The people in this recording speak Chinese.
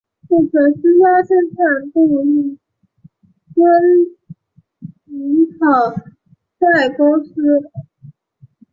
部份私家侦探社亦兼营讨债公司。